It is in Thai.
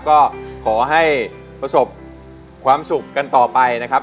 ก็ขอให้ประสบความสุขกันต่อไปนะครับ